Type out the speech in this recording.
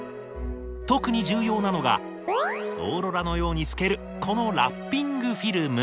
特に重要なのがオーロラのように透けるこのラッピングフィルム。